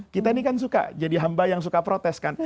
kita ini kan suka jadi hamba yang suka protes kan